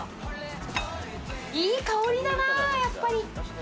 いい香りだな、やっぱり。